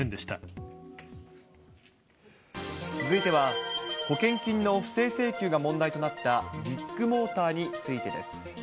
続いては、保険金の不正請求が問題となった、ビッグモーターについてです。